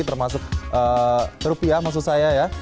termasuk rupiah maksud saya ya